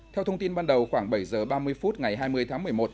theo thông tin ban đầu khoảng bảy h ba mươi phút ngày hai mươi tháng một mươi một